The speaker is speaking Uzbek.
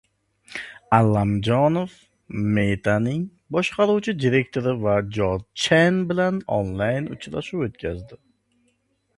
Allamjonov "Meta"ning boshqaruvchi direktori va Jorj Chen bilan onlayn uchrashuv o‘tkazdi